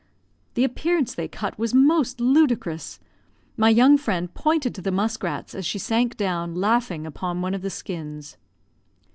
The appearance they cut was most ludicrous. My young friend pointed to the musk rats, as she sank down, laughing, upon one of the skins.